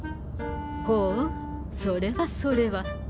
ほそれはそれは。